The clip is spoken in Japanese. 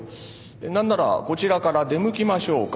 何ならこちらから出向きましょうか。